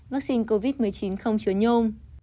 vaccine covid một mươi chín không chứa nhôm